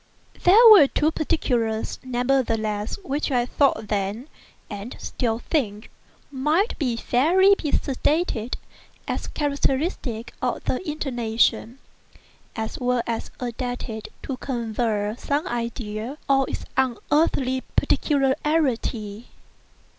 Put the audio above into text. There were two particulars, nevertheless, which I thought then, and still think, might fairly be stated as characteristic of the intonation—as well adapted to convey some idea of its unearthly peculiarity.